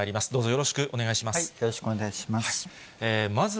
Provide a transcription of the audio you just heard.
よろしくお願いします。